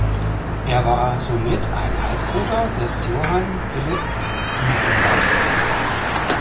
Er war somit ein Halbbruder des Johann Philipp Dieffenbach.